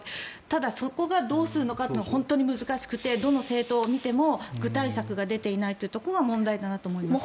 ただ、そこがどうするのかって本当に難しくてどの政党を見ても具体策が出ていないのが問題だと思います。